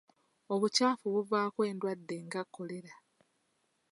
Obukyafu buvaako endwadde nga kkolera.